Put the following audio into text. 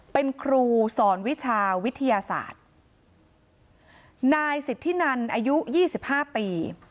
เป็นครูสอนวิชาวิทยาศาสตร์นายสิทธินันอายุยี่สิบห้าปี